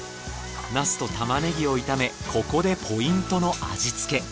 ナスとタマネギを炒めここでポイントの味付け。